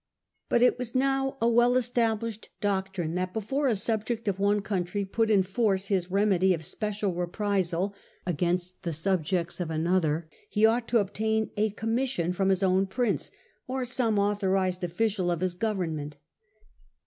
But it was now a well established doctrine that before a subject of one country put in force his remedy of special reprisal against the subjects of another, he ought to obtain a commission from his own Prince, or some authorised oflicial of his Govern ment.